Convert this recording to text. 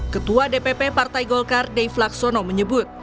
ketua dpp partai golkar dave laksono menyebut